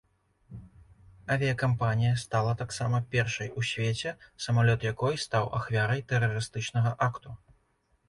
Авіякампанія стала таксама першай у свеце, самалёт якой стаў ахвярай тэрарыстычнага акту.